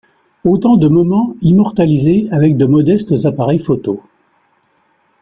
Autant de moments immortalisés avec de modestes appareils photo.